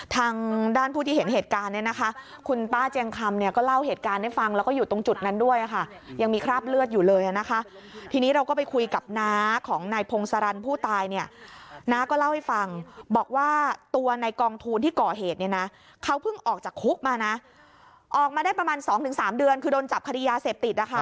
ทางด้านผู้ที่เห็นเหตุการณ์เนี่ยนะคะคุณป้าเจียงคำเนี่ยก็เล่าเหตุการณ์ให้ฟังแล้วก็อยู่ตรงจุดนั้นด้วยค่ะยังมีคราบเลือดอยู่เลยนะคะทีนี้เราก็ไปคุยกับน้าของนายพงศรันผู้ตายเนี่ยน้าก็เล่าให้ฟังบอกว่าตัวในกองทูลที่ก่อเหตุเนี่ยนะเขาเพิ่งออกจากคุกมานะออกมาได้ประมาณสองถึงสามเดือนคือโดนจับคดียาเสพติดนะคะ